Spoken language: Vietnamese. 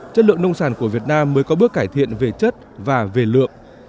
chất lượng nông sản của việt nam mới có bước cải thiện về chất và về lượng